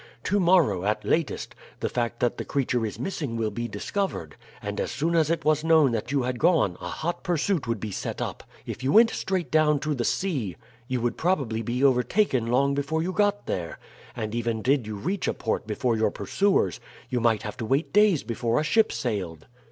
To morrow, at latest, the fact that the creature is missing will be discovered, and as soon as it was known that you had gone a hot pursuit would be set up. If you went straight down to the sea you would probably be overtaken long before you got there; and even did you reach a port before your pursuers you might have to wait days before a ship sailed.